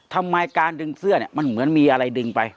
ทำไมการดึงเสื้อเนี่ยมันเหมือนมีอะไรดึงไป